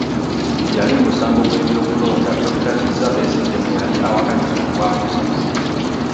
Yali mu musango gw'ebyokulonda Dokita Kiizza Besigye mwe yali awakanyiza obuwanguzi bwe